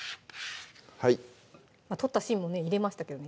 取った芯も入れましたけどね